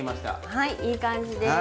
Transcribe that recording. はいいい感じです。